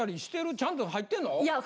ちゃんと入ってんの？